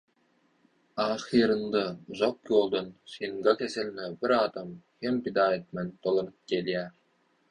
Ahyrynda uzak ýoldan, singa keseline bir adam hem pida etmän dolanyp gelýär.